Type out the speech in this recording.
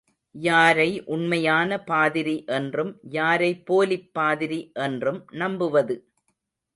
யாரை உண்மையான பாதிரி என்றும் யாரைப் போலிப் பாதிரி என்றும் நம்புவது?